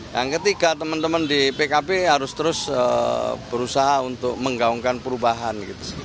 yang ketiga teman teman di pkb harus terus berusaha untuk menggaungkan perubahan